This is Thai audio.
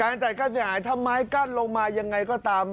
จ่ายกั้นเสียหายถ้าไม้กั้นลงมายังไงก็ตาม